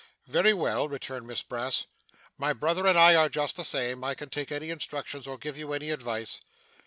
'Very well,' returned Miss Brass. 'My brother and I are just the same. I can take any instructions, or give you any advice.